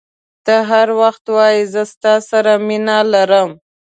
ته هر وخت وایي زه ستا سره مینه لرم.